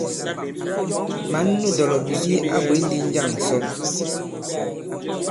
Mǎn nu dɔ̀lɔ̀bìbi a bwě ndi njâŋ ǹsɔn ?